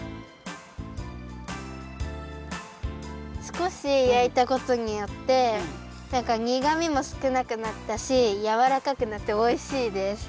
すこしやいたことによってなんかにがみもすくなくなったしやわらかくなっておいしいです。